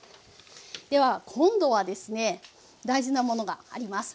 では今度はですね大事なものがあります。